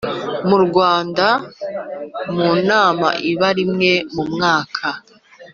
mu Rwanda mu nama iba rimwe mu mwaka